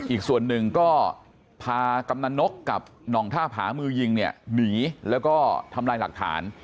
อีกส่วนหนึ่งก็พากำนันนกกับหน่องท่าผามือยิงเนี่ยหนีแล้วก็ทำลายหลักฐาน